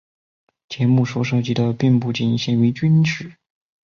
节目所涉及的并不仅限于军事。